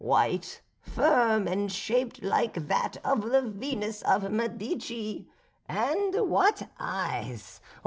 white, firm, and shaped like that of the Venus of Medici; and what eyes!